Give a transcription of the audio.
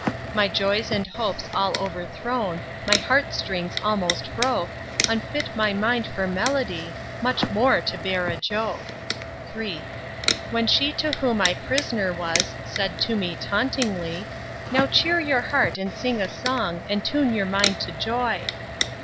My joys and hopes all overthrown, My heart strings almost broke, Unfit my mind for melody, Much more to bear a joke. III. Then she to whom I pris'ner was, Said to me, tauntingly, Now cheer your heart, and sing a song And tune your mind to joy.